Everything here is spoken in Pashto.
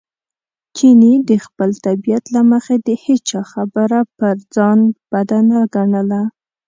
چیني د خپلې طبیعت له مخې د هېچا خبره پر ځان بد نه ګڼله.